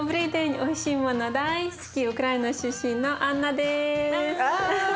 おいしいもの大好きウクライナ出身のアンナです。